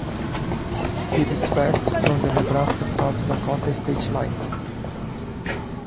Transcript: It is west from the Nebraska-South Dakota state line.